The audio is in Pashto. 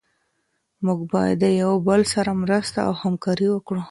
موږ باید د یو بل سره مرسته او همکاري وکړو.